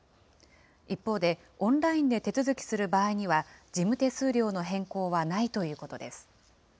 一方で、オンラインで手続きする場合には、事務手数料の変更はないということです。